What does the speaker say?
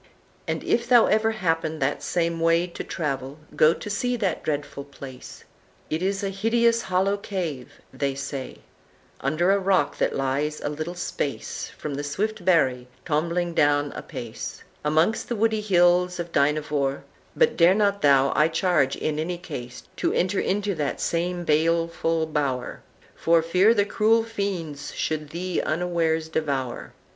"And if thou ever happen that same way To travel, go to see that dreadful place; It is a hideous hollow cave (they say) Under a rock that lies a little space From the swift Barry, tombling down apace Amongst the woody hills of Dynevor; But dare not thou, I charge, in any case, To enter into that same baleful bower, For fear the cruel fiends should thee unwares devour.